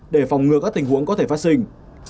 để phòng ngừa các tình huống có thể phát sinh